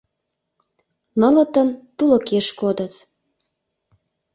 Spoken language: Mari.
Нылытын тулыкеш кодыт.